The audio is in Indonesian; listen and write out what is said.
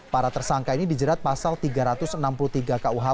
para tersangka ini dijerat pasal tiga ratus enam puluh tiga kuhp